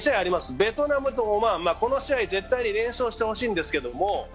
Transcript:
ベトナムとオマーン、絶対に連勝してほしいんです。